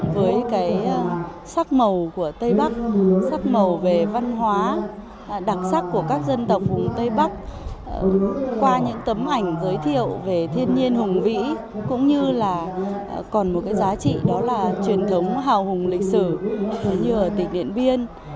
với cái sắc màu của tây bắc sắc màu về văn hóa đặc sắc của các dân tộc vùng tây bắc qua những tấm ảnh giới thiệu về thiên nhiên hùng vĩ cũng như là còn một cái giá trị đó là truyền thống hào hùng lịch sử như ở tỉnh điện biên